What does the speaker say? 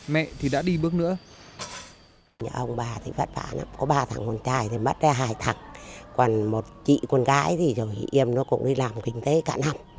mẹ thì đã đi bước nữa